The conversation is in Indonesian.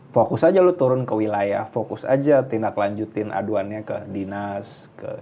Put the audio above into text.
fokus aja lu turun ke wilayah fokus aja tindak lanjutin aduannya ke dinas